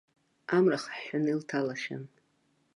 Амра хыҳәҳәаны илҭалахьан.